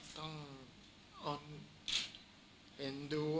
ต้องเป็นด้วย